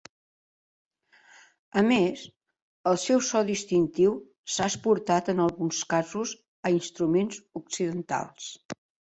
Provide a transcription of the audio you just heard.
A més, el seu so distintiu s'ha exportat en alguns casos a instruments occidentals.